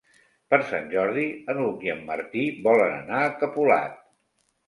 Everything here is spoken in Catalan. Per Sant Jordi n'Hug i en Martí volen anar a Capolat.